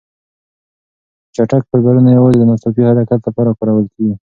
چټک فایبرونه یوازې د ناڅاپي حرکت لپاره کارول کېږي.